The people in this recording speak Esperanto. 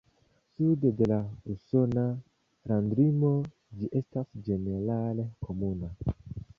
Sude de la usona landlimo ĝi estas ĝenerale komuna.